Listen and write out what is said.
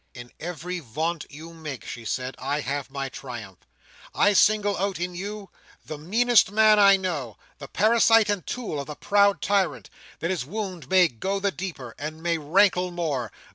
"In every vaunt you make," she said, "I have my triumph. I single out in you the meanest man I know, the parasite and tool of the proud tyrant, that his wound may go the deeper, and may rankle more.